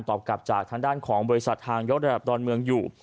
กลับจากทางด้านของบริษัททางยกระดับดอนเมืองอยู่